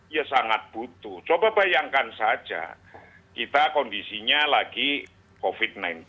ya sangat butuh coba bayangkan saja kita kondisinya lagi covid sembilan belas